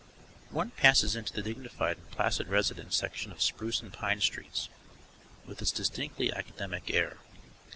One passes into the dignified and placid residence section of Spruce and Pine streets, with its distinctly academic air.